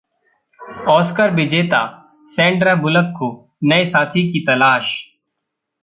Oscar विजेता Sandra Bullock को नए साथी की तलाश